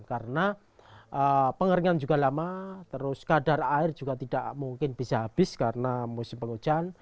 karena pengeringan juga lama terus kadar air juga tidak mungkin bisa habis karena musim penghujan